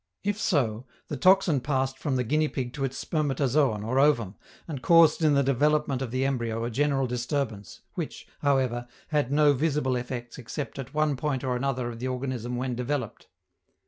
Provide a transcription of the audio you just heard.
If so, the toxin passed from the guinea pig to its spermatozoon or ovum, and caused in the development of the embryo a general disturbance, which, however, had no visible effects except at one point or another of the organism when developed.